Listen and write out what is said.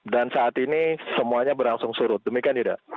dan saat ini semuanya berangsur surut demikian ya da